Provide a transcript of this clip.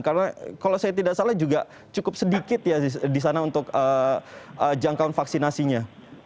karena kalau saya tidak salah juga cukup sedikit ya disana untuk jangkaan vaksinasinya